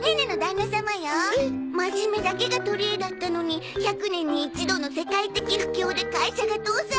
真面目だけが取りえだったのに１００年に一度の世界的不況で会社が倒産。